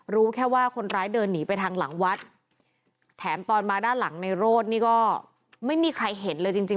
รู้แค่ว่าคนร้ายเดินหนีไปทางหลังวัดแถมตอนมาด้านหลังในโรธนี่ก็ไม่มีใครเห็นเลยจริงจริง